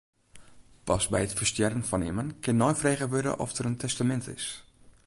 Pas by it ferstjerren fan immen kin neifrege wurde oft der in testamint is.